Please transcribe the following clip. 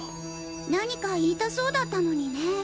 何か言いたそうだったのにね。